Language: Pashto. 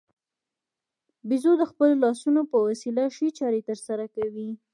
بیزو د خپلو لاسونو په وسیله ښې چارې ترسره کوي.